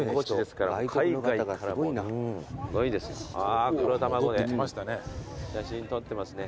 あ黒たまごで写真撮ってますね。